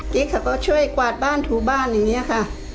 ิ๊กเขาก็ช่วยกวาดบ้านถูบ้านอย่างนี้ค่ะ